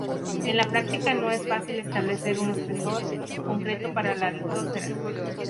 En la práctica no es fácil establecer un espesor concreto para la litosfera.